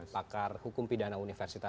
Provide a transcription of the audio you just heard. pakar hukum pidana universitas